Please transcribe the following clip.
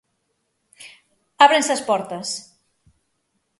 Ábrense as portas.